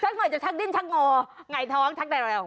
ชักหน่อยจะชักดิ้นชักงอไหง้ท้องชักแต่แรง